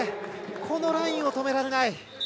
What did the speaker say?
このラインを止められない。